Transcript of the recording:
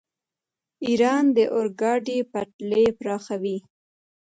ایران د اورګاډي پټلۍ پراخوي.